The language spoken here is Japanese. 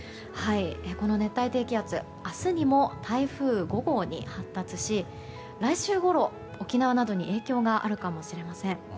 この熱帯低気圧明日にも台風５号に発達し来週ごろ沖縄などに影響があるかもしれません。